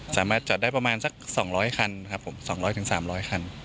สามารถจอดได้ประมาณสักสองร้อยคันครับผมสองร้อยถึงสามร้อยคัน